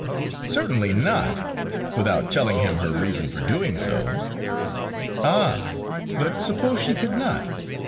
"Certainly not, without telling him her reason for doing so." "Ah! but suppose she could not.